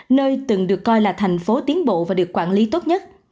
nơi từng được coi là thành phố tiến bộ và được quản lý tốt nhất